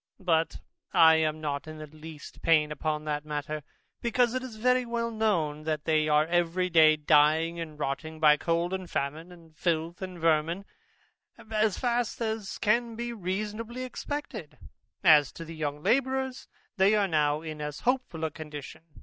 But I am not in the least pain upon that matter, because it is very well known, that they are every day dying, and rotting, by cold and famine, and filth, and vermin, as fast as can be reasonably expected. And as to the young labourers, they are now in almost as hopeful a condition.